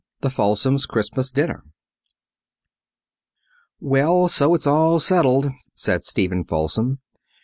The Falsoms' Christmas Dinner "Well, so it's all settled," said Stephen Falsom.